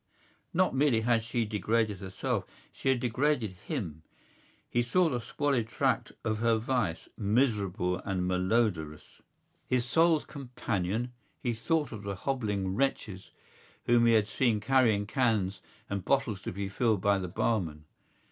Not merely had she degraded herself; she had degraded him. He saw the squalid tract of her vice, miserable and malodorous. His soul's companion! He thought of the hobbling wretches whom he had seen carrying cans and bottles to be filled by the barman.